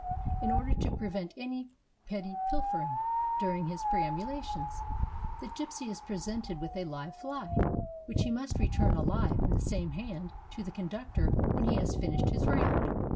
In order to prevent any petty pilfering during his perambulations, the gypsy is presented with a live fly, which he must return alive in the same hand to the conductor when he has finished his round.